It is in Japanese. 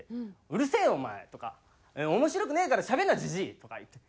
「うるせえよお前」とか「面白くねえからしゃべんなじじい」とか言って。